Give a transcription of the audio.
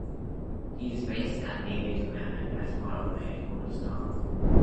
He is based at Navy Command, as part of the headquarters staff.